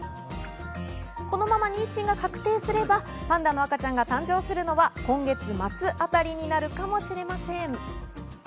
このまま妊娠が確定すればパンダの赤ちゃんが誕生するのは今月末あたりになるかもしれません。